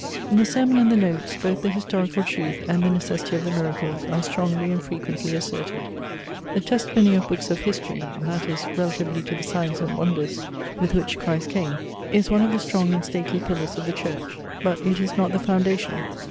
In the sermon and the notes both the historical truth and the necessity of the miracles are strongly and frequently asserted. "The testimony of books of history (that is, relatively to the signs and wonders, with which Christ came) is one of the strong and stately pillars of the church: but it is not the foundation!"